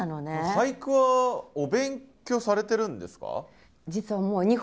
俳句はお勉強されてるんですか？